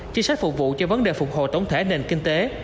chính sách phục vụ cho vấn đề phục hồi tổng thể nền kinh tế